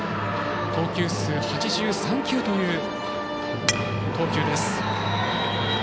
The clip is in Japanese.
投球数８３球という投球です。